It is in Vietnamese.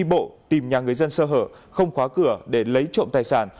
đi bộ tìm nhà người dân sơ hở không khóa cửa để lấy trộm tài sản